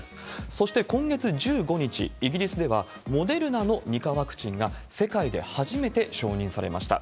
そして今月１５日、イギリスでは、モデルナの２価ワクチンが、世界で初めて承認されました。